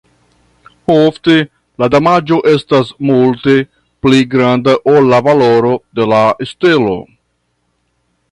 Ofte la damaĝo estas multe pli granda ol la valoro de la ŝtelo.